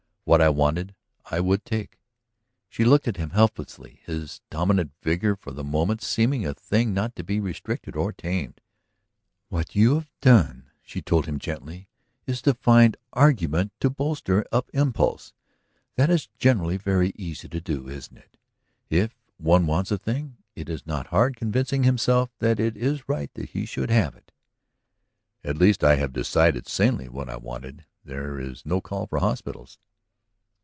What I wanted I would take." She looked at him helplessly, his dominant vigor for the moment seeming a thing not to be restricted or tamed. "What you have done," she told him gently, "is to find argument to bolster up impulse. That is generally very easy to do, isn't it? If one wants a thing, it is not hard convincing himself that it is right that he should have it." "At least I have decided sanely what I wanted, there is no call for hospitals."